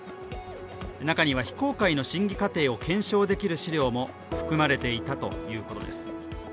中には非公開の審議過程を検証できる資料も含まれていたということです。